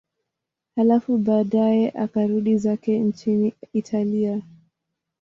Halafu baadaye akarudi zake nchini Italia.